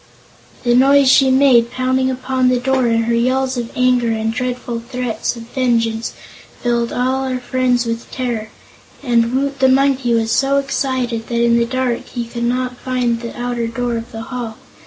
The noise she made, pounding upon the door, and her yells of anger and dreadful threats of vengeance, filled all our friends with terror, and Woot the Monkey was so excited that in the dark he could not find the outer door of the hall.